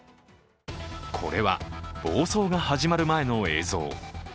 これは暴走が始まる前の映像。